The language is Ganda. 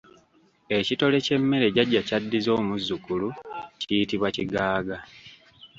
Ekitole ky’emmere jajja kyaddiza omuzzukulu kiyitibwa Kigaaga.